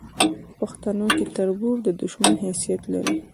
پښتنو کې تربور د دوشمن حیثت لري